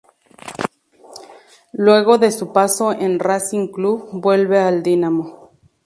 Luego de su paso en Racing Club vuelve al dinamo.